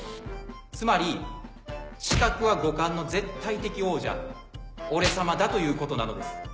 つまり視覚は五感の絶対的王者オレ様だということなのです。